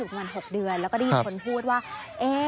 เหมือนเขารู้ว่าเข้ามาอยู่ประมาณ๖เดือน